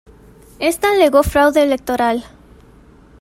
Esta alegó fraude electoral.